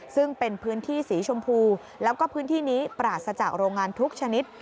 ซึ่งเป็นพื้นที่สีชมพูแล้วก็พื้นที่นี้ปราศจากโรงงานทุกชนิด